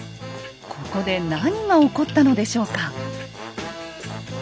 ここで何が起こったのでしょうか？